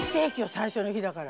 最初の日だから。